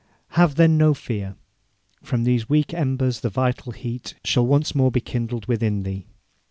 Have, then, no fear; from these weak embers the vital heat shall once more be kindled within thee.